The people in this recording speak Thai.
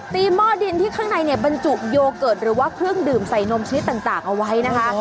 หม้อดินที่ข้างในเนี่ยบรรจุโยเกิร์ตหรือว่าเครื่องดื่มใส่นมชนิดต่างเอาไว้นะคะ